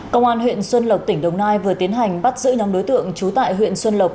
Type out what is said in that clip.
công an huyện xuân lộc tỉnh đồng nai vừa tiến hành bắt giữ nhóm đối tượng trú tại huyện xuân lộc